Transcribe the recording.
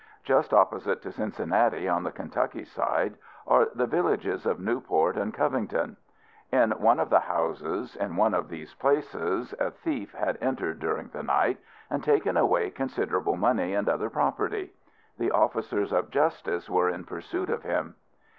Just opposite to Cincinnati, on the Kentucky side, are the villages of Newport and Covington. In one of the houses, in one of these places, a thief had entered, during the night, and taken away considerable money and other property. The officers of justice were in pursuit of him.